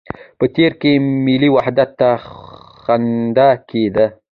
په تېر کې ملي وحدت ته خنده کېده.